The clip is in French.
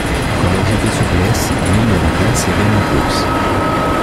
Quand leur jockey se blesse, Neil le remplace et gagne la course.